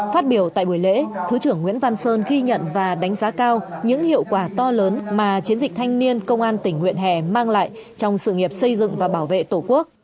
phát biểu tại buổi lễ thứ trưởng nguyễn văn sơn ghi nhận và đánh giá cao những hiệu quả to lớn mà chiến dịch thanh niên công an tỉnh nguyện hè mang lại trong sự nghiệp xây dựng và bảo vệ tổ quốc